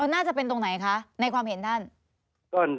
น่าจะเป็นตรงไหนคะในความเห็นท่าน